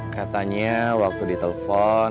katanya waktu ditelpon